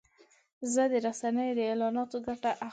زه د رسنیو د اعلاناتو ګټه اخلم.